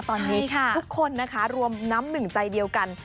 ตอนนี้ทุกคนนะคะรวมน้ำหนึ่งใจเดียวกัน